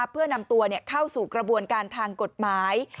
เพื่อนำตัวเข้าสู่กระบวนการทางกฎหมาย